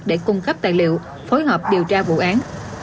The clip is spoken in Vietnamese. để cung cấp tài liệu phối hợp điều tra vụ án